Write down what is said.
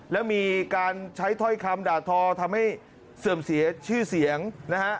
แล้วมีการใช้ถ้อยคำด่าทอทำให้เสื่อมเสียชื่อเสียงนะฮะ